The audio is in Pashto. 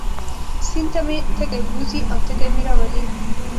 سیند ته مې تږی بوځي او تږی مې راولي.